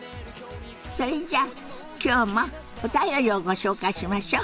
それじゃあ今日もお便りをご紹介しましょ。